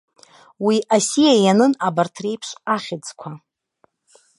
Уи асиа ианын абарҭ реиԥш ахьӡқәа.